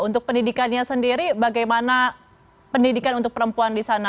untuk pendidikannya sendiri bagaimana pendidikan untuk perempuan di sana